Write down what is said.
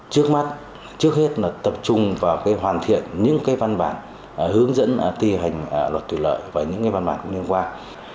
trước mắt trước hết là tập trung vào cái hoàn thiện những cái văn bản hướng dẫn ti hành luật thủy lợi và những cái văn bản cũng liên quan